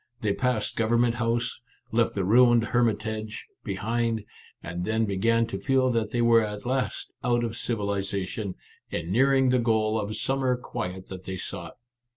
They passed Government House, left the ruined Hermitage behind, and then began to feel that they were at last out of civilization, and near ing the goal of summer quiet that they sought.